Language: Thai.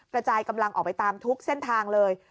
กระจายกำลังออกไปตามทุกเส้นทางเลย